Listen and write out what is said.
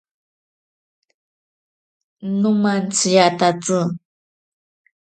Nomantsiyatatsi.